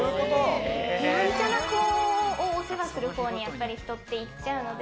やんちゃな子をお世話するほうに人っていっちゃうので。